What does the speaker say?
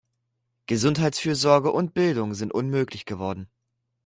Gesundheitsfürsorge und Bildung sind unmöglich geworden.